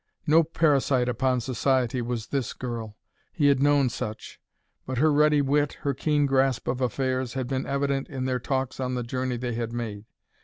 No parasite upon society was this girl. He had known such; but her ready wit, her keen grasp of affairs, had been evident in their talks on the journey they had made.